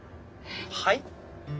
はい？